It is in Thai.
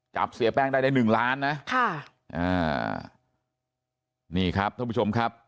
เสียแป้งได้ได้หนึ่งล้านนะค่ะอ่านี่ครับท่านผู้ชมครับ